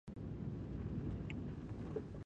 هره ورځ اوبه وڅښئ.